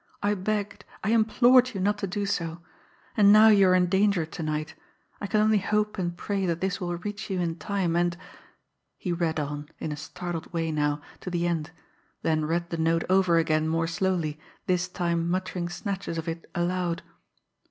I begged, I implored you not to do so. And now you are in danger to night. I can only hope and pray that this will reach you in time, and " He read on, in a startled way now, to the end; then read the note over again more slowly, this time muttering snatches of it aloud